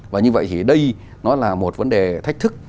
và như vậy thì đây nó là một vấn đề thách thức